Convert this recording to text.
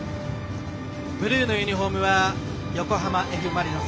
ブルーのユニフォームが横浜Ｆ・マリノス。